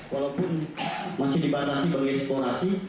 walaupun masih dibatasi bagi eksplorasi